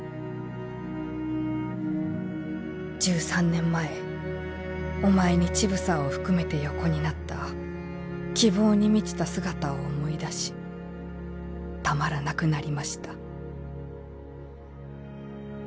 「１３年前お前に乳房を含めて横になった希望に満ちた姿を思い出したまらなくなりました」。